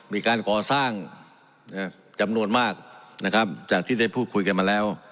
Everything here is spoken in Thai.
มีการก่อสร้างจำนวนมากนะครับจากที่ได้พูดคุยกันมาแล้ว